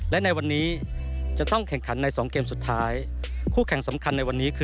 และในวันนี้จะต้องแข่งขันใน๒เกมสุดท้าย